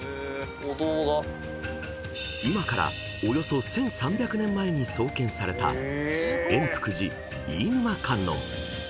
［今からおよそ１，３００年前に創建された圓福寺飯沼観音］